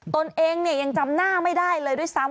ตนเองเนี่ยยังจำหน้าไม่ได้เลยด้วยซ้ำ